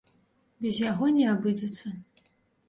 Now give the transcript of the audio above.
Без яго не абыдзецца.